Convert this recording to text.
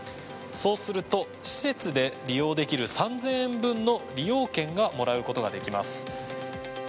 そうすると、施設で利用できる３０００円分の利用券がもらうことができます。